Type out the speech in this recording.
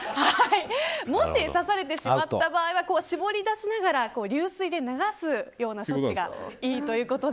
もし、刺されてしまった場合は絞り出しながら流水で流すような処置がいいということで。